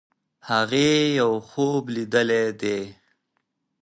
هغې یو خوب لیدلی دی.